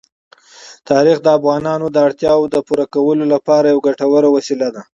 تاریخ د افغانانو د اړتیاوو د پوره کولو لپاره یوه ګټوره وسیله ده.